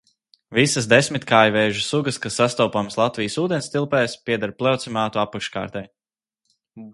Visas desmitkājvēžu sugas, kas sastopamas Latvijas ūdenstilpēs, pieder pleocimātu apakškārtai.